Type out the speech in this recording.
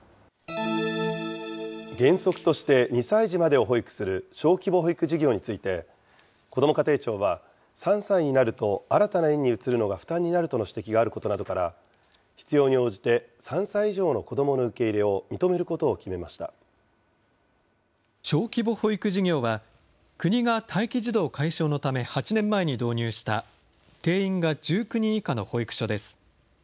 原則として２歳児までを保育する小規模保育事業について、こども家庭庁は、３歳になると新たな園に移るのが負担になるとの指摘があることなどから、必要に応じて３歳以上の子どもの受け入れを認めることを小規模保育事業は、国が待機児童解消のため８年前に導入した、定員が１９人以下の保育所です。